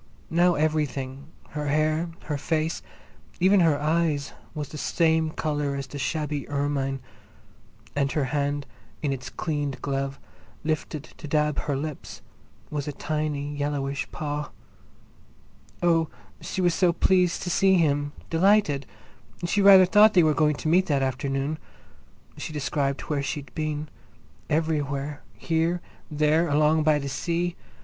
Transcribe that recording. Now everything, her hair, her face, even her eyes, was the same colour as the shabby ermine, and her hand, in its cleaned glove, lifted to dab her lips, was a tiny yellowish paw. Oh, she was so pleased to see him—delighted! She rather thought they were going to meet that afternoon. She described where she'd been—everywhere, here, there, along by the sea.